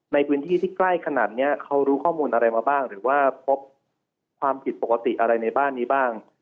ในพื้นที่ที่ใกล้ขนาดนี้เขารู้ข้อมูลอะไรมาบ้างหรือว่าพบความผิดปกติอะไรในบ้านนี้บ้าง